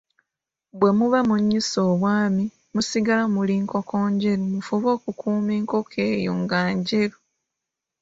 Bwe muba munnyuse Obwami, musigala muli nkoko njeru, mufube okukuuma enkoko eyo nga njeru.